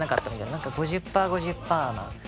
何か５０％５０％な感じで。